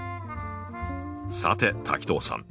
さて滝藤さん